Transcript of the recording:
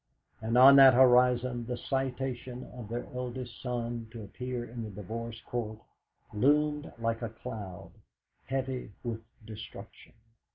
And on that horizon the citation of their eldest son to appear in the Divorce Court loomed like a cloud, heavy with destruction.